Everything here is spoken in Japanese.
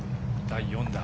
第４打。